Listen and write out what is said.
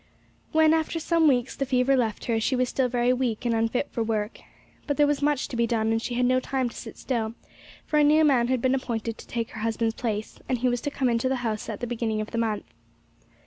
When, after some weeks, the fever left her, she was still very weak and unfit for work. But there was much to be done, and she had no time to sit still, for a new man had been appointed to take her husband's place; and he was to come into the house at the beginning of the month.